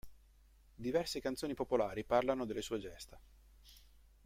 Diverse canzoni popolari parlano delle sue gesta.